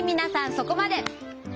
そこまで。